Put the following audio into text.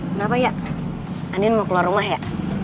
kenapa ya andin mau keluar rumah ya